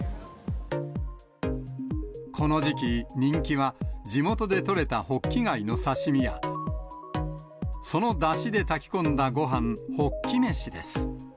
この時期、人気は地元で取れたホッキ貝の刺身や、そのだしで炊き込んだごはん、ホッキ飯です。